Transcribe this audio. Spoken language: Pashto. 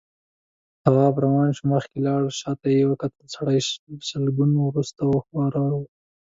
تواب روان شو، مخکې لاړ، شاته يې وکتل، سړي شلګون ورته وښوراوه.